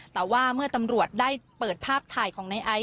แต่ว่าเมื่อตำรวจได้เปิดภาพถ่ายของในไอซ